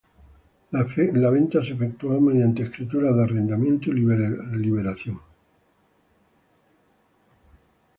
La venta se efectuó mediante escrituras de arrendamiento y liberación.